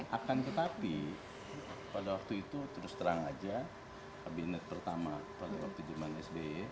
akan tetapi pada waktu itu terus terang saja kabinet pertama pada waktu sbe